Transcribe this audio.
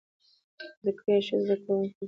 ذکریا ښه زده کونکی دی.